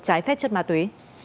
trái phép chất ma túy